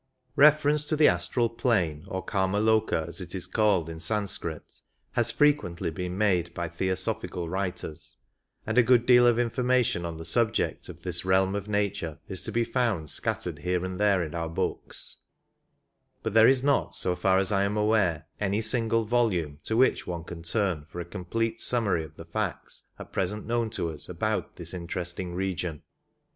Reference to the astral plane, or Kimaloka as it is called in Sanskrit, has frequently been made by Theosophical writers, and a good deal of information on the subject of this realm of nature is to be found scattered here and there in our books ; but there is not, so far as I am aware, any single volume to which one can turn for a complete summary of the facts at present known to us about this interesting region.